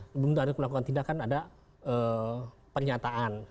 sebelum melakukan tindakan ada pernyataan